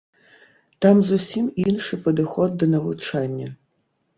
Там зусім іншы падыход да навучання.